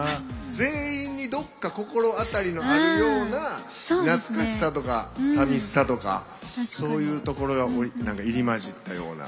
全員にどっか心当たりのあるような懐かしさとか、さみしさとかそういうところが入り交じったような。